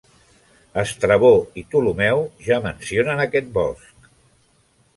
Estrabó i Ptolemeu ja mencionen aquest bosc.